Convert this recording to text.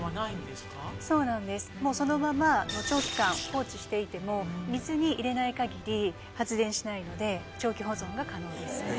そうなんですもうそのまま長期間放置していても水に入れない限り発電しないので長期保存が可能です。